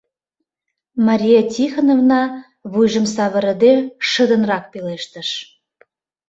— Мария Тихоновна вуйжым савырыде шыдынрак пелештыш.